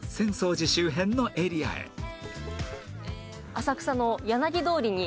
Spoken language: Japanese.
浅草の。